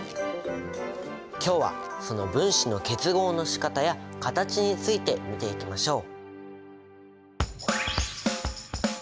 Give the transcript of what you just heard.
今日はその分子の結合のしかたや形について見ていきましょう。